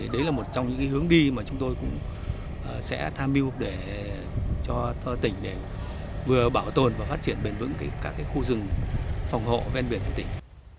đấy là một trong những hướng đi mà chúng tôi cũng sẽ tham mưu để cho tỉnh vừa bảo tồn và phát triển bền vững các khu rừng phòng hộ ven biển của tỉnh